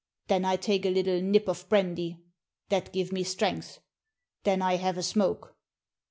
Then I take a little nip of brandy. That give me strength. Then I have a smoke.